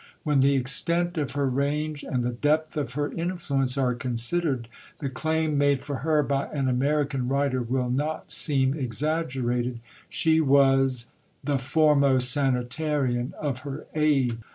When the extent of her range and the depth of her influence are considered, the claim made for her by an American writer will not seem exaggerated: she was "the foremost sanitarian of her age."